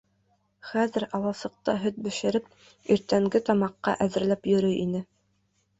Хәҙер аласыҡта һөт бешереп, иртәнге тамаҡҡа әҙерләп йөрөй ине.